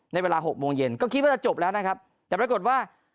ในเวลา๖โมงเย็นก็คิดว่าจะจบแล้วนะครับแต่ปรากฏว่า